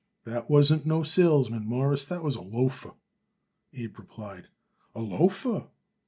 "That wasn't no salesman, Mawruss; that was a loafer," Abe replied. "A loafer!"